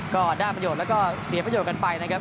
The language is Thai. ก็ได้ประโยชน์แล้วก็เสียประโยชน์กันไปนะครับ